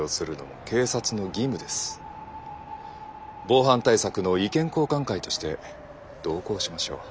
防犯対策の意見交換会として同行しましょう。